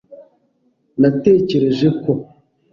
Natekereje ko.